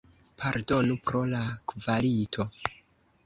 Pardonu pro la kvalito.